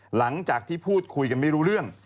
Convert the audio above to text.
หลังจากที่พูดคุยกันไม่รู้เรื่อง